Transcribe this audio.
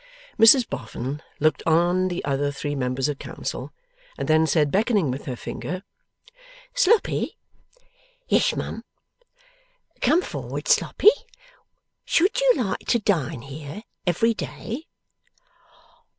Mrs Boffin looked on the other three members of Council, and then said, beckoning with her finger: 'Sloppy.' 'Yes, mum.' 'Come forward, Sloppy. Should you like to dine here every day?